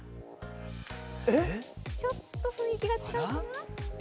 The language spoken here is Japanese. ちょっと雰囲気が違うかな。